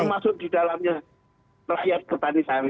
termasuk di dalamnya rakyat ketani kami